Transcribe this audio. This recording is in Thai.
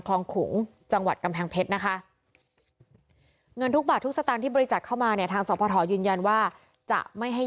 คลองขุงจังหวัดกำแผงเพ็ดนะคะเงินทุกบาททุกสตางฯที่